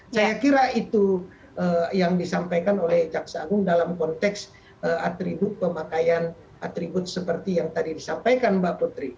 saya kira itu yang disampaikan oleh jaksa agung dalam konteks atribut pemakaian atribut seperti yang tadi disampaikan mbak putri